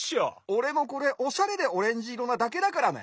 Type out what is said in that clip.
おれもこれおしゃれでオレンジいろなだけだからね。